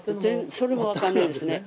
それも分かんないですね。